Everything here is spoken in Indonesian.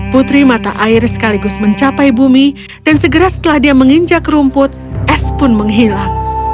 putri mata air sekaligus mencapai bumi dan segera setelah dia menginjak rumput es pun menghilang